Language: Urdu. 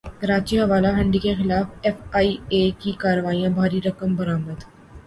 کراچی حوالہ ہنڈی کیخلاف ایف ائی اے کی کارروائیاں بھاری رقوم برامد